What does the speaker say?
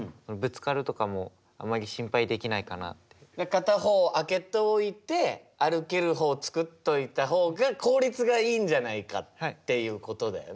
片方を空けておいて歩ける方をつくっといた方が効率がいいんじゃないかっていうことだよね。